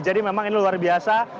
jadi memang ini luar biasa